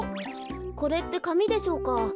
これってかみでしょうか？